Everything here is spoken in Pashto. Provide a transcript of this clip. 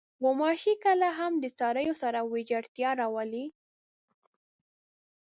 غوماشې کله هم د څارویو سره ویجاړتیا راولي.